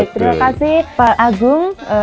terima kasih pak agung